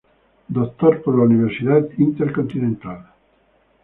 Doctor por la Universidad Intercontinental.